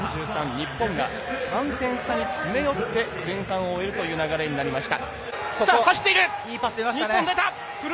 日本が３点差に詰め寄って前半を終えるという流れになりました。